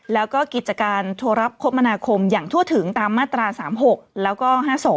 แล้วก็กิจการโทรรับคมนาคมอย่างทั่วถึงตามมาตรา๓๖แล้วก็๕๒